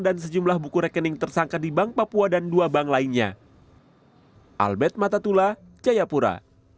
dan sejumlah buku rekening tersangka di bank papua dan dua bank lainnya